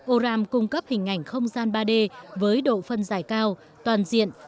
oam cung cấp hình ảnh không gian ba d với độ phân dài cao toàn diện